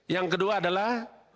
yang kedua adalah